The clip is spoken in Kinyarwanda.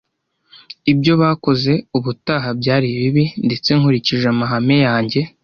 Ibyo bakoze ubutaha byari bibi, ndetse nkurikije amahame yanjye.